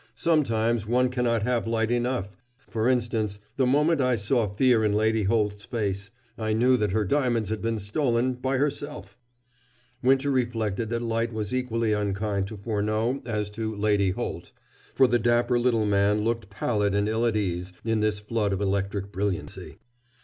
Sometimes, one cannot have light enough: for instance, the moment I saw fear in Lady Holt's face I knew that her diamonds had been stolen by herself " Winter reflected that light was equally unkind to Furneaux as to "Lady Holt," for the dapper little man looked pallid and ill at ease in this flood of electric brilliancy.